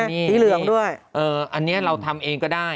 สีเหลืองด้วยอันนี้เราทำเองก็ได้